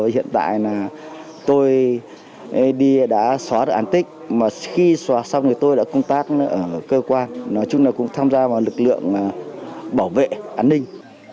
hiện tại tôi đã xóa được án tích mà khi xóa xong thì tôi đã công tác ở cơ quan nói chung là cũng tham gia vào lực lượng bảo vệ an ninh